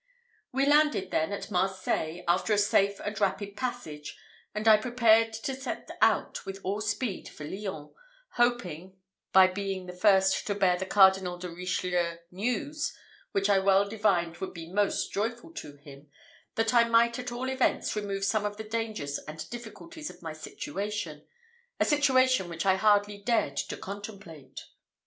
We landed, then, at Marseilles, after a safe and rapid passage, and I prepared to set out with all speed for Lyons, hoping, by being the first to bear the Cardinal de Richelieu news, which I well divined would be most joyful to him, that I might at all events remove some of the dangers and difficulties of my situation a situation which I hardly dared to contemplate.